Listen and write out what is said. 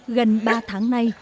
gần ba tháng nay